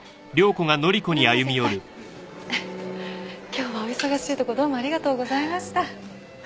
今日はお忙しいところをどうもありがとうございました。